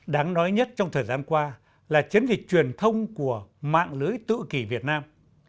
đáng nói nhất trong thời gian qua là chiến dịch truyền thông của mạng lưới tự kỷ việt nam